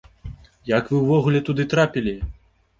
Як вы ўвогуле туды трапілі?